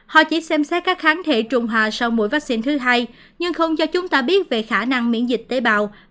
họ chỉ xem xét các kháng thể trung hòa sau mũi vaccine thứ hai nhưng không cho chúng ta biết về khả năng miễn dịch tế bào